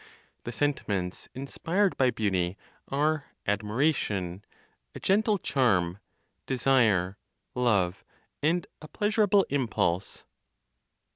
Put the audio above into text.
The sentiments inspired by beauty are admiration, a gentle charm, desire, love, and a pleasurable impulse.